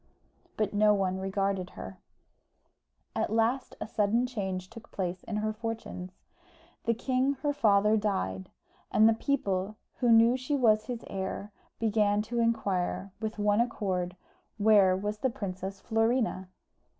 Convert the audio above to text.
But no one regarded her. At last a sudden change took place in her fortunes. The king her father died, and the people, who knew she was his heir, began to inquire, with one accord, where was the Princess Florina?